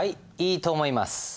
いいと思います。